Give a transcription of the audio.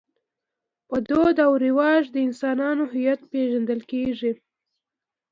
په دود او رواج د انسانانو هویت پېژندل کېږي.